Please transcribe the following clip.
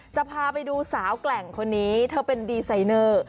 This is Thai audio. จะพาไปดูสาวแกร่งคนนี้เธอเป็นดีไซเนอร์